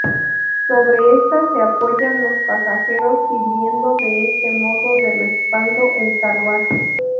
Sobre esta se apoyan los pasajeros sirviendo de este modo de respaldo el carruaje.